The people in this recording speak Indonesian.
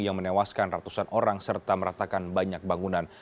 yang menewaskan ratusan orang serta meratakan banyak bangunan